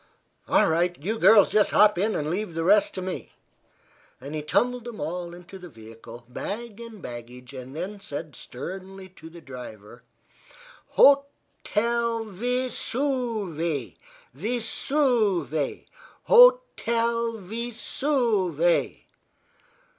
"All right; you girls just hop in, and leave the rest to me." He tumbled them all into the vehicle, bag and baggage, and then said sternly to the driver: "Ho tel Ve suve Ve suve ho tel Ve suve!